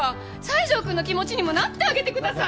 西条くんの気持ちにもなってあげてくださいよ！